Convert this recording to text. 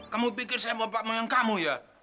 kamu pikir saya bawa pak moen yang kamu ya